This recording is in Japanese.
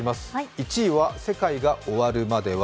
１位は世界が終わるまでは。